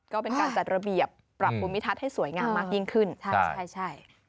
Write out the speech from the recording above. ก็เป็นการจัดระเบียบปรับภูมิทัศน์ให้สวยงามมากยิ่งขึ้นใช่